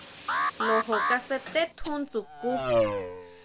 Lojo kasuté tjún ʼndsukʼu.